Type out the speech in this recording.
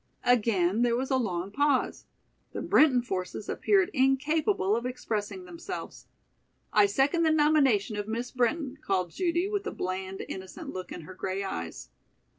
Again there was a long pause. The Brinton forces appeared incapable of expressing themselves. "I second the nomination of Miss Brinton," called Judy, with a bland, innocent look in her gray eyes.